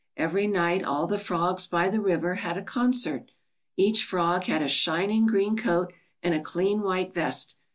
Every night all the frogs by the river had a concert. Each frog had a shining green coat, and a clean white vest.